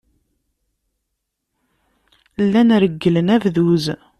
Llan regglen abduz.